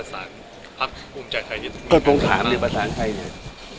ถ้ากดรมถามคุณประธานไทย